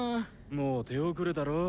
もう手遅れだろ。